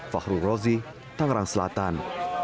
fakru rozi tanggerang selatan